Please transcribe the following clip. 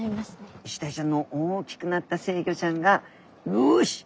イシダイちゃんの大きくなった成魚ちゃんが「よし！